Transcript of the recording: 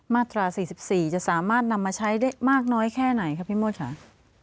มาตรา๔๔จะสามารถนำมาใช้ได้มากน้อยแค่ไหนครับพี่โมดค่ะ